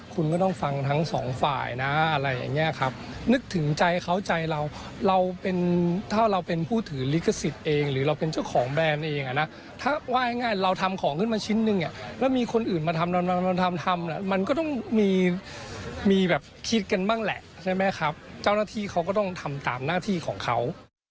คุณก็ต้องฟังทั้งสองฝ่ายนะอะไรอย่างเงี้ยครับนึกถึงใจเขาใจเราเราเป็นถ้าเราเป็นผู้ถือลิขสิทธิ์เองหรือเราเป็นเจ้าของแบรนด์เองอ่ะนะถ้าว่าง่ายเราทำของขึ้นมาชิ้นหนึ่งอ่ะแล้วมีคนอื่นมาทำทำมันก็ต้องมีมีแบบคิดกันบ้างแหละใช่ไหมครับเจ้าหน้าที่เขาก็ต้องทำตามหน้าที่ของเขา